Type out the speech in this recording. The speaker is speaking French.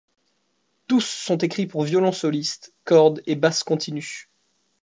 Tous sont écrits pour violon soliste, cordes et basse continue.